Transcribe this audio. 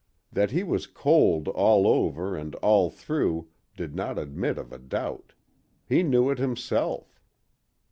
That he was cold all over and all through did not admit of a doubt; he knew it himself.